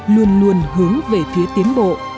luôn luôn hướng về phía tiến bộ